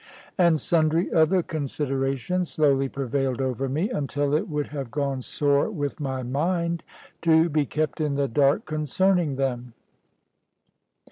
And sundry other considerations slowly prevailed over me; until it would have gone sore with my mind, to be kept in the dark concerning them.